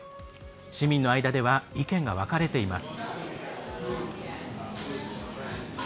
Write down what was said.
市民の間では意見が分かれています。